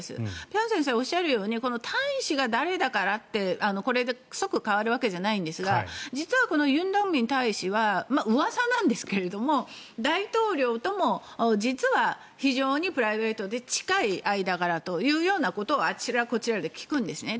辺先生がおっしゃるように大使が誰だからってこれで即変わるわけじゃないんですが実はこのユン・ドクミン大使はうわさなんですけれども大統領とも実は非常にプライベートで近い間柄というようなことをあちらこちらで聞くんですね。